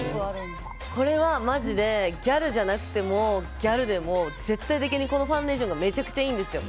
これはマジでギャルじゃなくてもギャルでも絶対的にこのファンデーションがめちゃくちゃいいんですよ。